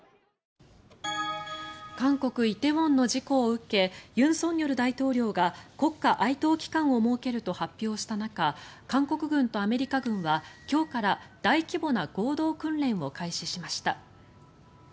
韓国・梨泰院の事故を受け尹錫悦大統領が国家哀悼期間を設けると発表した中韓国軍とアメリカ軍は今日から大規模な合同訓練を開始しました。